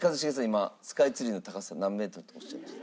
今スカイツリーの高さ何メートルっておっしゃいました？